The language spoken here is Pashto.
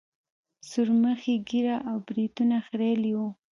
سورمخي ږيره او برېتونه خرييلي وو.